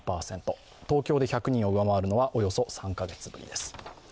東京で１００人を上回るのは、およそ３カ月ぶりです。